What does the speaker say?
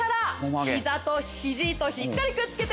ヒザとヒジとしっかりくっつけて。